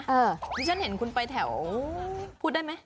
ดิฉันเห็นคุณไปแถวพูดได้ไหม